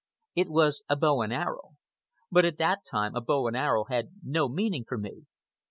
It was a bow and arrow. But at that time a bow and arrow had no meaning for me.